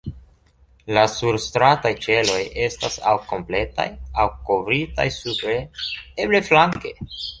La surstrataj ĉeloj estas aŭ kompletaj, aŭ kovritaj supre, eble flanke.